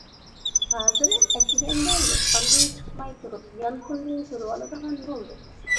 ھازىر ئەتىگەندە يوتقاندىن چىقماي تۇرۇپ يانفوندىن كۆرۈۋالىدىغان بولدۇق.